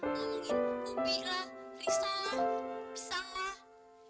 ngomongin ubi lah riso lah pisang lah